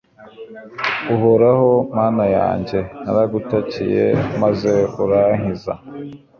uhoraho, mana yanjye, naragutakiye, maze urankiza